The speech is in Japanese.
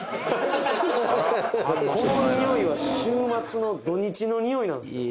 この匂いは週末の土日の匂いなんすよ